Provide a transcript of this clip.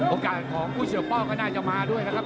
โอกาสของผู้เสียป้องก็น่าจะมาด้วยนะครับ